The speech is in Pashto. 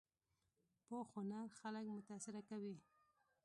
پوخ هنر خلک متاثره کوي